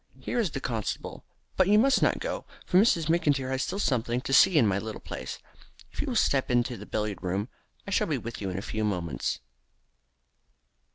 Here is the constable, but you must not go, for Miss McIntyre has still something to see in my little place. If you will step into the billiard room I shall be with you in a very few moments."